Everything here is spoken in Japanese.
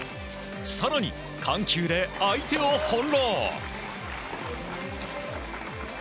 更に、緩急で相手を翻弄。